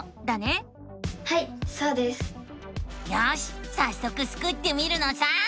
よしさっそくスクってみるのさ！